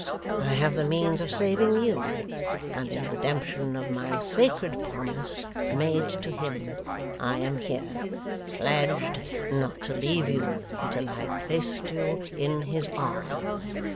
I have the means of saving you; and in redemption of my sacred promise, made to him, I am here; pledged not to leave you until I have placed you in his arms.